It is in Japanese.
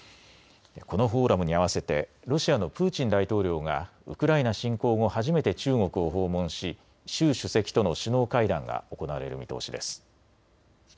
このフォーラムに合わせてロシアのプーチン大統領がウクライナ侵攻後、初めて中国を訪問し習主席との首脳会談が行われる見通しです。